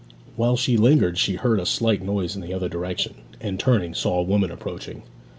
While she lingered she heard a slight noise in the other direction, and, turning, saw a woman approaching.